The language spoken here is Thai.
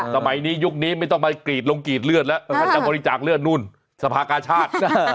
สมัยนี้ยุคนี้ไม่ต้องมากรีดลงกรีดเลือดแล้วถ้าจะบริจาคเลือดนู่นสภากาชาติ